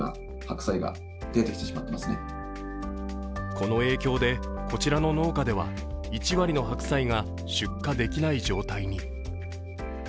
この影響で、こちらの農家では１割の白菜が出荷できない状態に。